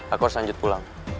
aku harus lanjut pulang